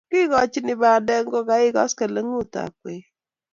Kikochini bandek ngokaik koskoleng'utab kwekeny